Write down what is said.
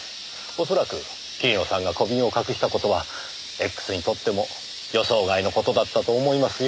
おそらく桐野さんが小瓶を隠した事はＸにとっても予想外の事だったと思いますよ。